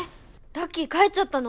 ラッキー帰っちゃったの？